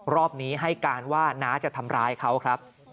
รอบนี้ให้การว่าน้าจะทำร้ายเขาครับ